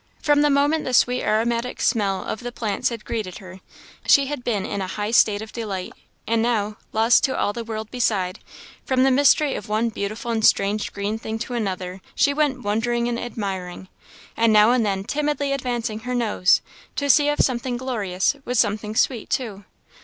From the moment the sweet aromatic smell of the plants had greeted her, she had been in a high state of delight; and now, lost to all the world beside, from the mystery of one beautiful and strange green thing to another she went wondering and admiring, and now and then timidly advancing her nose to see if something glorious was something sweet too.